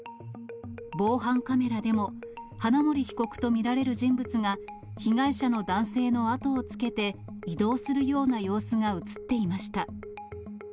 防犯カメラでも、花森被告と見られる人物が、被害者の男性の後をつけて、移動するような様子が写っていました。